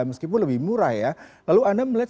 meskipun lebih murah ya lalu anda melihat